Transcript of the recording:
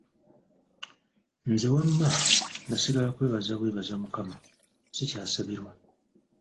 Nze wamma nasigala kwebaza bwebaza Mukama, sikyasabirwa.